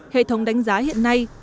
hệ thống đánh giá hiện nay